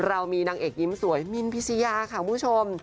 เรามีนางเอกยิ้มสวยมินพิชยาค่ะคุณผู้ชม